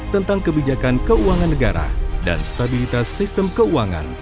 tentang kebijakan keuangan negara dan stabilitas sistem keuangan